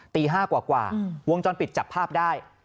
ตี๕กว่าวงจรปิดจับภาพได้